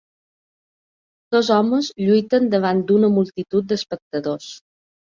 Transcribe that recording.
Dos homes lluiten davant d'una multitud d'espectadors.